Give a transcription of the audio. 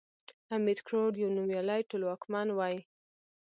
امير کروړ يو نوميالی ټولواکمن وی